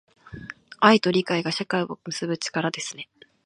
愛と理解が、社会を結ぶ力ですね。